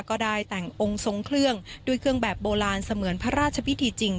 ก็ได้แต่งองค์ทรงเครื่องด้วยเครื่องแบบโบราณเสมือนพระราชพิธีจริง